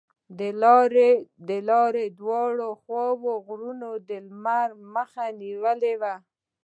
د لارې دواړو خواوو غرونو د لمر مخه نیولې وه.